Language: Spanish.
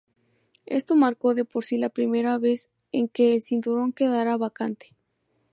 Esto marcó de por sí la primera vez en que el cinturón quedara vacante.